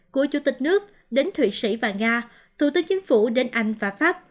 của chủ tịch nước đến thụy sĩ và nga thủ tướng chính phủ đến anh và pháp